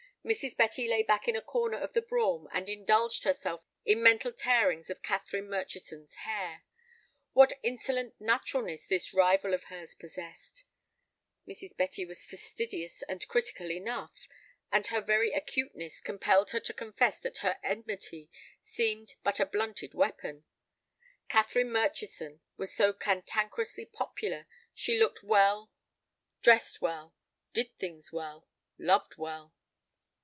Mrs. Betty lay back in a corner of the brougham, and indulged herself in mental tearings of Catherine Murchison's hair. What insolent naturalness this rival of hers possessed! Mrs. Betty was fastidious and critical enough, and her very acuteness compelled her to confess that her enmity seemed but a blunted weapon. Catherine Murchison was so cantankerously popular. She looked well, dressed well, did things well, loved well.